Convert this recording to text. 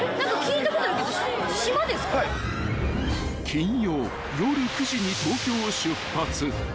［金曜夜９時に東京を出発］